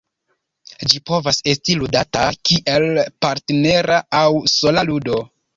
Ĝi povas esti ludata kiel partnera aŭ sola ludo.